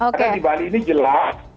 karena di bali ini jelas